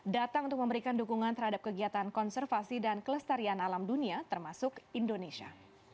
datang untuk memberikan dukungan terhadap kegiatan konservasi dan kelestarian alam dunia termasuk indonesia